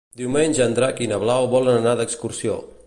Diumenge en Drac i na Blau volen anar d'excursió.